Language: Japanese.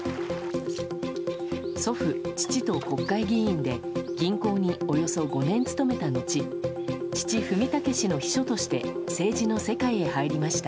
祖父、父と国会議員で、銀行におよそ５年務めたのち父・文武氏の秘書として政治の世界へ入りました。